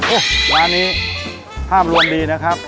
โอ้โหร้านนี้ห้ามรวมดีนะครับ